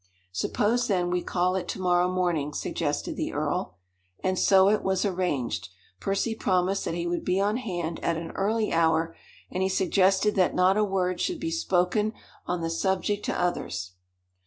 "Suppose, then, we call it to morrow morning?" suggested the earl. And so it was arranged. Percy promised that he would be on hand at an early hour; and he suggested that not a word should be spoken on the subject to others.